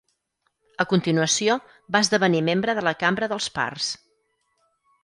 A continuació, va esdevenir membre de la Cambra dels pars.